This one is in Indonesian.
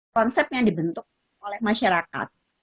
konsep yang dibentuk oleh masyarakat